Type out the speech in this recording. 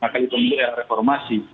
lima kali pemilu era reformasi